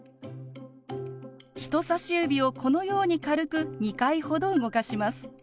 人さし指をこのように軽く２回ほど動かします。